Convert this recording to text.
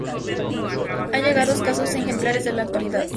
Han llegado escasos ejemplares a la actualidad.